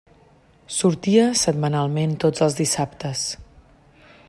Sortia setmanalment tots els dissabtes.